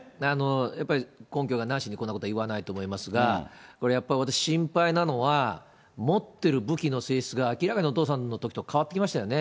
やっぱり根拠がなしに、こんなことは言わないと思いますが、これやっぱり、私心配なのは、持ってる武器の性質が明らかにお父さんのときと変わってきましたよね。